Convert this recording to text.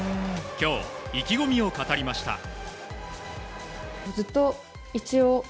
今日、意気込みを語りました。